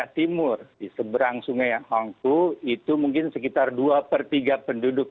timur di seberang sungai hongku itu mungkin sekitar dua per tiga penduduk